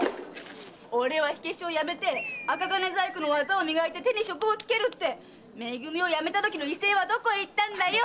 「俺は火消しを辞め銅細工の技を磨き手に職を付ける」ってめ組を辞めたときの威勢はどこいったんだよ？